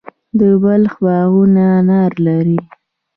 د بلخ باغونه انار لري.